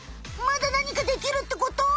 まだなにかできるってこと？